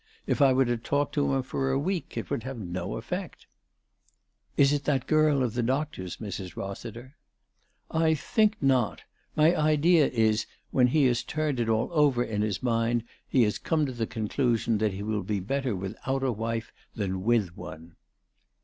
If I were to talk to him for a week it would have no effect." " Is it that girl of the doctor's, Mrs. Rossiter ?"" I think not. My idea is that when he has turned it all over in his mind he has come to the conclusion that he will be better without a wife than with one."